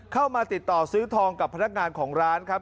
เข้ามาติดต่อซื้อทองกับพนักงานของร้านครับ